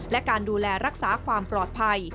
และการดูแลรักษาความปลอดภัย